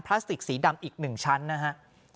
พลาสติกสีดำอีก๑ชั้นนะฮะ